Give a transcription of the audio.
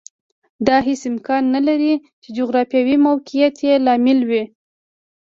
دا هېڅ امکان نه لري چې جغرافیوي موقعیت یې لامل وي